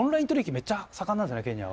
めっちゃ盛んなんですよねケニアは。